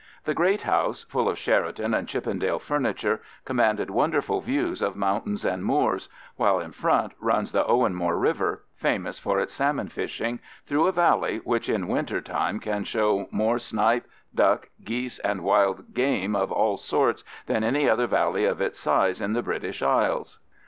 The great house, full of Sheraton and Chippendale furniture, commanded wonderful views of mountains and moors; while in front runs the Owenmore river, famous for its salmon fishing, through a valley which in winter time can show more snipe, duck, geese, and wild game of all sorts than any other valley of its size in the British Isles.